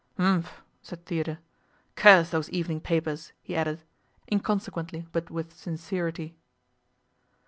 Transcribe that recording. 'Umphl' said Theodore. 'Curse those evening papers!' he added, inconsequently but with sincerity.